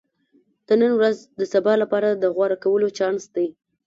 • د نن ورځ د سبا لپاره د غوره کولو چانس دی.